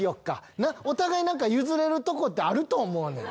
なっお互い何か譲れるとこってあると思うねん。